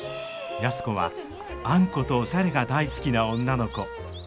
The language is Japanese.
安子はあんことおしゃれが大好きな女の子。